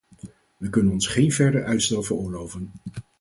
Wij kunnen ons geen verder uitstel veroorloven.